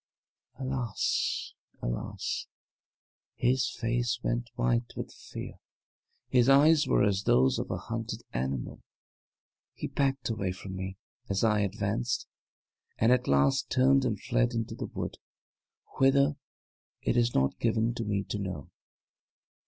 Alas! alas! his face went white with fear, his eyes were as those of a hunted animal. He backed away from me, as I advanced, and at last turned and fled into the wood whither, it is not given to me to know.